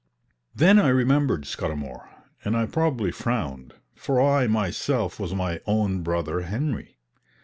Then I remembered Scudamour, and I probably frowned, for I myself was my own brother Henry.